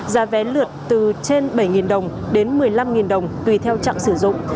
giá vé lượt từ trên bảy đồng đến một mươi năm đồng tùy theo trạng sử dụng